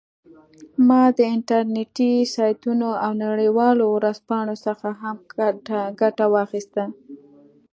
ما د انټرنیټي سایټونو او نړیوالو ورځپاڼو څخه هم ګټه واخیسته